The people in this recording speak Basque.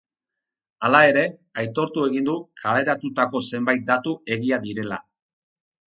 Hala ere, aitortu egin du kaleratutako zenbait datu egia direla.